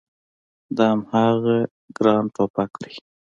دا هماغه ګران ټوپګ دی